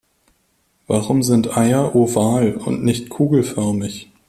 Warum sind Eier oval und nicht kugelförmig?